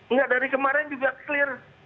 enggak dari kemarin juga clear